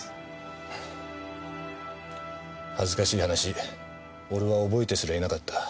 恥ずかしい話俺は覚えてすらいなかった。